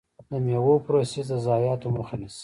د میوو پروسس د ضایعاتو مخه نیسي.